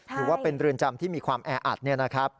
ถือว่าเป็นเรือนจำที่มีความแออัดเนี่ยนะครับ